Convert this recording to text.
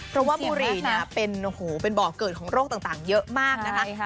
เพราะว่าบุรีเป็นบ่อเกิดของโรคต่างเยอะมากนะคะ